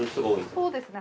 そうですね